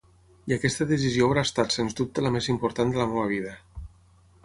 I aquesta decisió haurà estat sens dubte la més important de la meva vida.